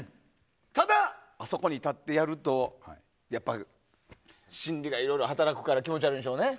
ただ、あそこに立ってやると心理がいろいろ働くから気持ち悪いんでしょうね。